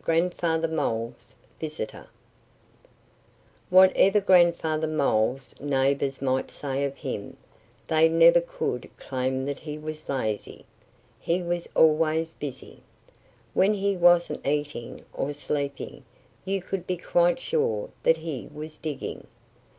XVI GRANDFATHER MOLE'S VISITOR WHATEVER Grandfather Mole's neighbors might say of him, they never could claim that he was lazy. He was always busy. When he wasn't eating or sleeping you could be quite sure that he was digging.